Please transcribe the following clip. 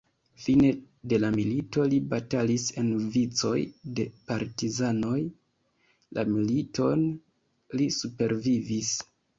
Fine de la milito li batalis en vicoj de partizanoj.. La militon li supervivis.